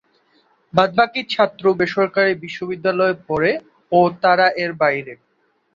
বাদ-বাকী ছাত্র বেসরকারী বিদ্যালয়ে পড়ে ও তারা এর বাইরে।